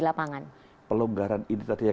lapangan pelonggaran ini tadi ya